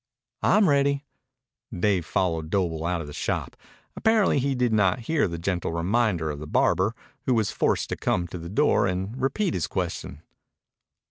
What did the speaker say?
"I'm ready." Dave followed Doble out of the shop. Apparently he did not hear the gentle reminder of the barber, who was forced to come to the door and repeat his question.